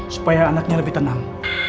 supaya anaknya lebih tenang